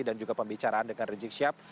dan juga pembicaraan dengan rizik sihab